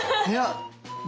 いや。